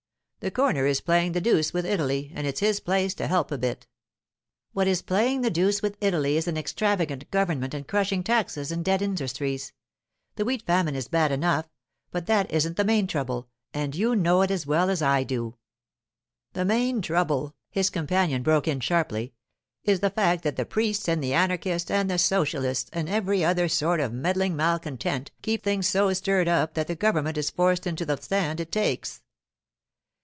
The corner is playing the deuce with Italy, and it's his place to help a bit.' 'What is playing the deuce with Italy is an extravagant government and crushing taxes and dead industries. The wheat famine is bad enough; but that isn't the main trouble, and you know it as well as I do.' 'The main trouble,' his companion broke in sharply, 'is the fact that the priests and the anarchists and the socialists and every other sort of meddling malcontent keep things so stirred up that the government is forced into the stand it takes.